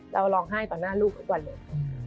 เราร้องไห้ต่อหน้าลูกทุกวันเลย